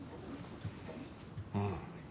うん。